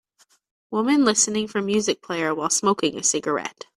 Woman listening for music player while smoking a cigarette.